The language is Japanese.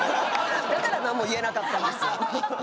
だから何も言えなかったんですよ。